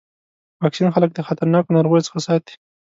واکسین خلک د خطرناکو ناروغیو څخه ساتي.